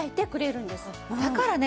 だからね